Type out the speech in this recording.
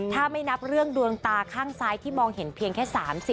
ถ้าไม่นับเรื่องดวงตาข้างซ้ายที่มองเห็นเพียงแค่๓๐